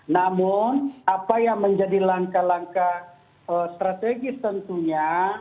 namun apa yang menjadi langkah langkah strategis tentunya